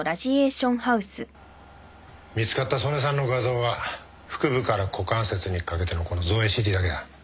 見つかった曽根さんの画像は腹部から股関節にかけてのこの造影ＣＴだけだ。